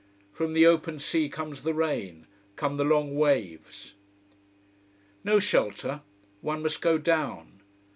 From the open sea comes the rain, come the long waves. No shelter. One must go down.